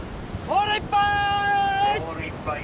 ポールいっぱい。